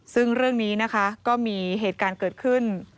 ซึ่งเรื่องนี้นะคะก็มีเหตุการณ์เกิดขึ้น